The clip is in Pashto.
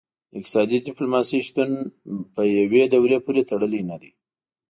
د اقتصادي ډیپلوماسي شتون په یوې دورې پورې تړلی نه دی